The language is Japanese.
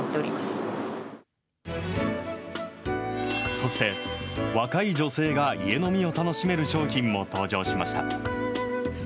そして、若い女性が家飲みを楽しめる商品も登場しました。